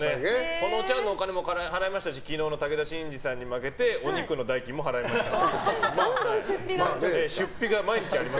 このお茶わんのお金も払いましたし昨日の武田真治さんに負けてお肉の代金もどんどん出費が。